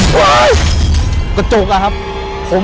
กระจกอะครับผม